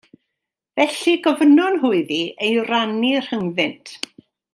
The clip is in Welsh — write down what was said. Felly gofynnon nhw iddi ei rannu rhyngddynt.